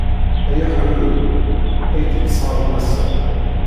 Ay ahṛuḥu, ay d-ittṣaren ass-a.